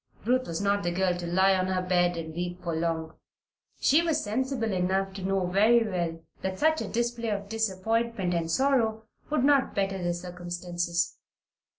Ruth was not the girl to lie on her bed and weep for long. She was sensible enough to know very well that such a display of disappointment and sorrow would not better the circumstances.